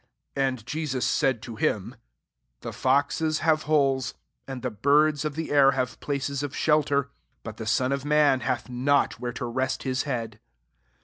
'* 5& And Jesus said to him, <^The foxes have holes, and the birds of the air ha ne places of shelter, but the Son of man hath not where to rest Ah head."